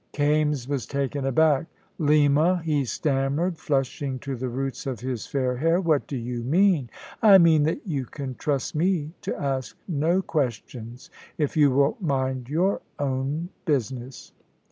Kaimes was taken aback. "Lima," he stammered, flushing to the roots of his fair hair. "What do you mean?" "I mean that you can trust me to ask no questions, if you will mind your own business."